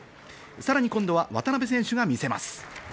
さらに今度は渡辺選手が見せます。